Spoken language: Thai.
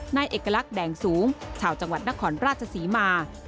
นายเอกลักษณ์แดงสูงชาวจังหวัดนครราชศรีมา